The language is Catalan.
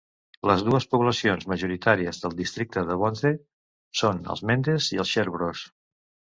Les dues poblacions majoritàries del districte de Bonthe són els mendes i els sherbros.